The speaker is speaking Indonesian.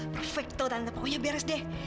perfecto tanda pokoknya beres deh